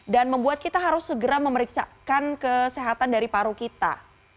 dan membuat kita harus segera memeriksakan kesehatan dari paru kita